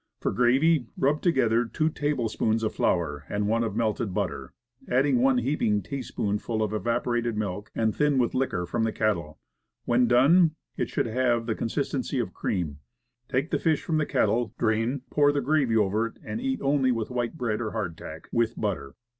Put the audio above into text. For gravy, rub together two tablespoonfuls of flour and one of melted butter, add one heaping teaspoonful of condensed milk, and thin with liquor from the kettle. When done, it should have the con sistence of cream. Take the fish from the kettle, drain, pour the gravy over it, and eat only with wheat bread or hard tack, with butter.